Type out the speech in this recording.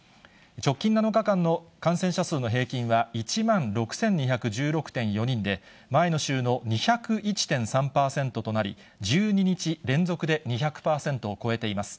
直近７日間の感染者数の平均は１万６２１６．４人で、前の週の２０１．３％となり、１２日連続で２００％を超えています。